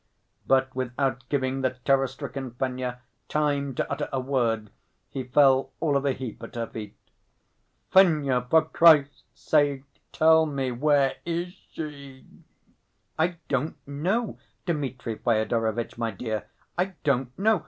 But without giving the terror‐stricken Fenya time to utter a word, he fell all of a heap at her feet. "Fenya, for Christ's sake, tell me, where is she?" "I don't know. Dmitri Fyodorovitch, my dear, I don't know.